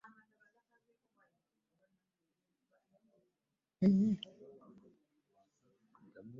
Enteekateeka ya Scientific Advisory Group for Emergencies eddukanyizibwa Minisitule y’ekikula ky’abantu.